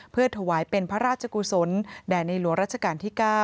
เพื่อถวายเป็นพระราชกุศลแด่ในหลวงรัชกาลที่๙